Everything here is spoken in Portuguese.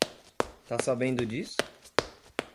Tá sabendo disso?